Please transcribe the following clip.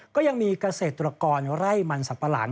ก็ยังมีเกษตรกรไร่มันสับปะหลัง